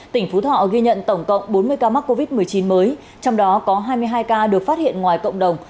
tỉnh phú thọ ghi nhận tổng cộng bốn mươi ca mắc covid một mươi chín mới trong đó có hai mươi hai ca được phát hiện ngoài cộng đồng